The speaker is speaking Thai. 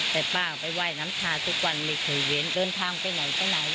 แต่ป้าไปว่ายน้ำทาทุกวันไม่เคยเว้นเดินทางไปไหนตรงไหน